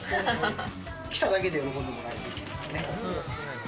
来ただけで喜んでもらえるね。